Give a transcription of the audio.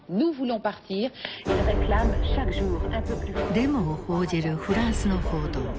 デモを報じるフランスの報道。